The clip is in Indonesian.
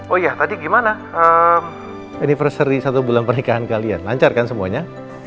oh iya tadi gimana anniversary satu bulan pernikahan kalian lancar kan semuanya